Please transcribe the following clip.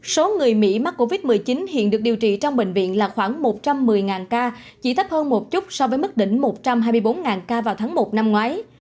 số người mỹ mắc covid một mươi chín hiện được điều trị trong bệnh viện là khoảng một trăm một mươi ca chỉ thấp hơn một chút so với mức đỉnh một trăm hai mươi bốn ca vào tháng một năm ngoái